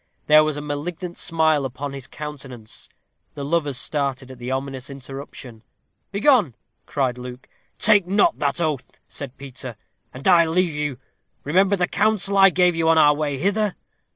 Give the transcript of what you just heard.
There was a malignant smile upon his countenance. The lovers started at the ominous interruption. "Begone!" cried Luke. "Take not that oath," said Peter, "and I leave you. Remember the counsel I gave you on our way hither."